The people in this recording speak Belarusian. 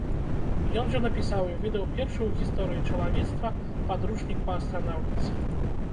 Ён жа напісаў і выдаў першы ў гісторыі чалавецтва падручнік па астранаўтыцы.